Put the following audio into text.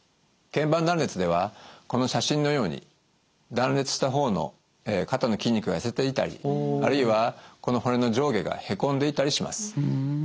腱板断裂ではこの写真のように断裂した方の肩の筋肉が痩せていたりあるいはこの骨の上下がへこんでいたりします。